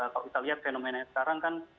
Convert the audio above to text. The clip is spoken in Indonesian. kalau kita lihat fenomenanya sekarang kan